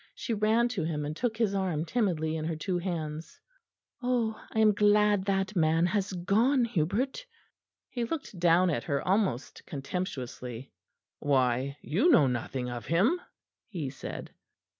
She ran to him and took his arm timidly in her two hands. "Oh! I am glad that man has gone, Hubert." He looked down at her almost contemptuously. "Why, you know nothing of him!" he said.